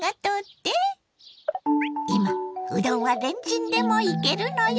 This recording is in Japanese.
今うどんはレンチンでもいけるのよ！